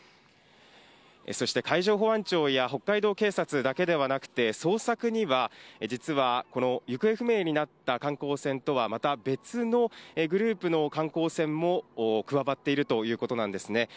そして、海上保安庁や北海道警察だけではなくて、捜索には、実はこの行方不明になった観光船とはまた別のグループの観光船も加わっているということなんですね。